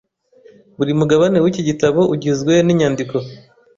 Buri mugabane w’iki gitabo ugizwe n’inyandiko